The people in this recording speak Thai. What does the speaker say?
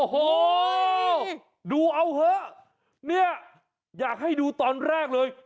โอ้โหดูเอาเถอะเนี่ยอยากให้ดูตอนแรกเลย